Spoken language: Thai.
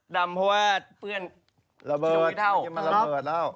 ดำเพราะว่าคืนระเบิดแม่งไว้มาระเบิดแล้ว